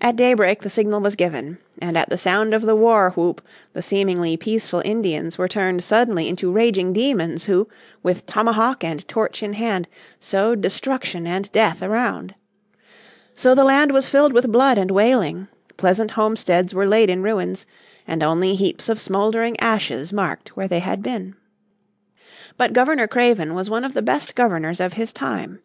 At daybreak the signal was given, and at the sound of the war whoop the seemingly peaceful Indians were turned suddenly into raging demons who, with tomahawk and torch in hand, sowed destruction and death around. So the land was filled with blood and wailing, pleasant homesteads were laid in ruins, and only heaps of smouldering ashes marked where they had been. But Governor Craven was one of the best governors of his time.